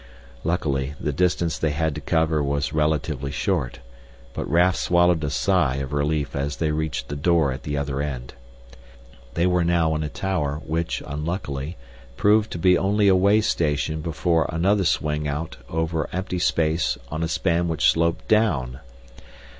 Luckily the distance they had to cover was relatively short, but Raf swallowed a sigh of relief as they reached the door at the other end. They were now in a tower which, unluckily, proved to be only a way station before another swing out over empty space on a span which sloped down!